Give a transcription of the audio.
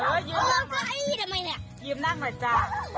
เออยืมนั่งมา